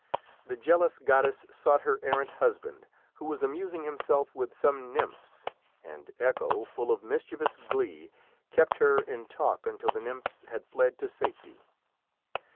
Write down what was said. The jealous goddess sought her errant husband, who was amusing himself with some nymphs, and Echo, full of mischievous glee, kept her in talk until the nymphs had fled to safety.